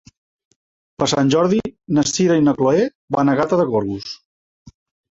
Per Sant Jordi na Sira i na Chloé van a Gata de Gorgos.